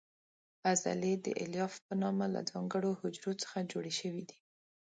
عضلې د الیاف په نامه له ځانګړو حجرو څخه جوړې شوې دي.